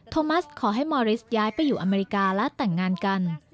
โมัสขอให้มอริสย้ายไปอยู่อเมริกาและแต่งงานกัน